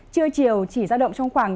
trưa chiều chỉ ra động trong khoảng